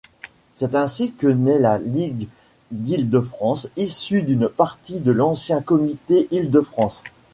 C'est ainsi que naît la Ligue d'Île-de-France issue d'une partie de l'ancien comité Île-de-France.